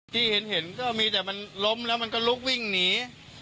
ที่เห็นก็มีแต่มันล้มแล้วมันก็ลุกวิ่งหนี